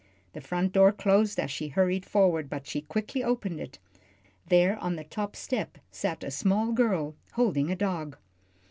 The front door closed as she hurried forward, but she quickly opened it. There on the top step sat a small girl holding a dog.